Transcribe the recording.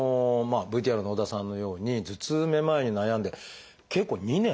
ＶＴＲの織田さんのように頭痛めまいに悩んで結構２年？